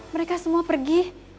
mereka semua pergi